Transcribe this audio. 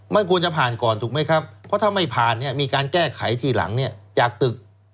มันควรจะผ่านก่อนถูกไหมครับเพราะถ้าไม่ผ่านเนี่ยมีการแก้ไขทีหลังเนี่ยจากตึก